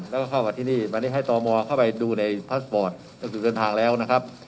แล้วก็เข้ากับที่นี่วันนี้ให้ตอมอเข้าไปดูในจะถือเดินทางแล้วนะครับ